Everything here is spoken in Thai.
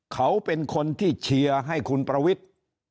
เขาเป็นคนที่เชียร์ให้คุณประวิทธิ์